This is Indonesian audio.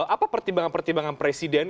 apa pertimbangan pertimbangan presiden